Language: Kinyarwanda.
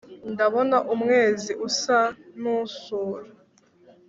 Ndabona umwezi usa n ' unsura